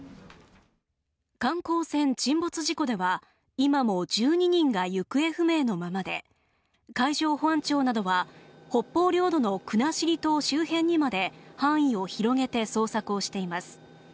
観光船沈没事故では今も１２人が行方不明のままで海上保安庁などは北方領土の国後島周辺にまで範囲を広げて捜索をしています